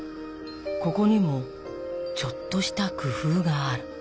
ここにもちょっとした工夫がある。